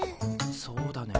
そうだね。